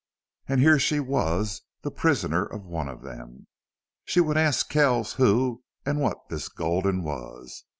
And here she was the prisoner of one of them. She would ask Kells who and what this Gulden was.